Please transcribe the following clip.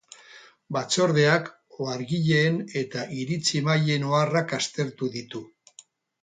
Batzordeak ohargileen eta iritzi-emaileen oharrak aztertu ditu